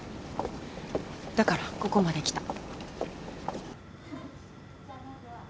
だからここまで来た。